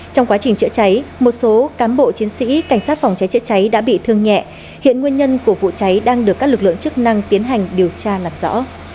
trong quá trình chữa cháy một số cán bộ chiến sĩ cảnh sát phòng cháy chữa cháy đã bị thương nhẹ hiện nguyên nhân của vụ cháy đang được các lực lượng chức năng tiến hành điều tra làm rõ